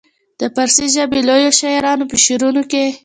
د فارسي ژبې لویو شاعرانو په شعرونو کې.